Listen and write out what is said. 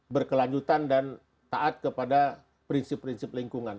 berkelanjutan dan taat kepada prinsip prinsip lingkungan